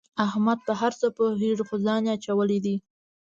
احمد په هر څه پوهېږي خو ځان یې اچولی دی.